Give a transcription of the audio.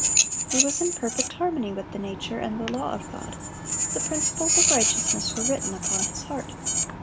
He was in perfect harmony with the nature and the law of God; the principles of righteousness were written upon his heart.